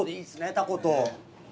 タコと。